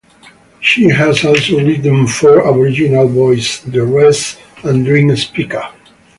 She has also written for Aboriginal Voices, The Rez, and Dreamspeaker.